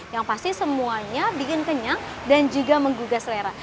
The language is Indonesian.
yang pasti semuanya bikin kenyang dan juga menggugah selera